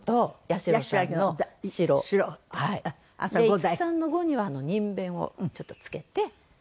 五木さんの「五」にはにんべんをちょっと付けて。